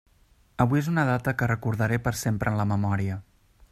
Avui és una data que recordaré per sempre en la memòria.